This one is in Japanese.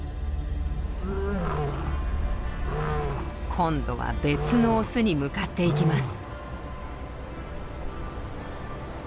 今度は別のオスに向かっていきます。